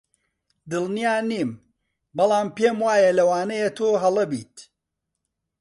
دڵنیا نیم، بەڵام پێم وایە لەوانەیە تۆ هەڵە بیت.